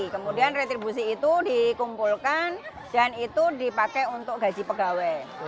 kemudian retribusi itu dikumpulkan dan itu dipakai untuk gaji pegawai